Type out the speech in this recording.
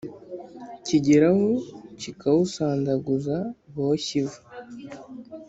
Kigeraho kikawusandaguza boshye ivu.